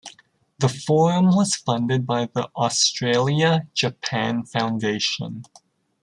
The forum was funded by the Australia Japan Foundation.